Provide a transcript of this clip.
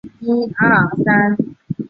这是世界终结之路。